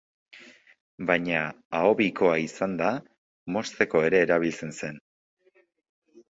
Baina, aho bikoa izanda, mozteko ere erabiltzen zen.